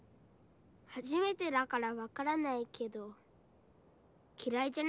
初めてだから分からないけど嫌いじゃないと思う。